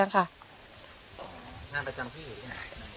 งานประจำที่ไหน